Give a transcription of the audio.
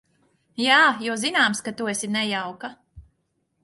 Jā, jo zināms, ka tu esi nejauka.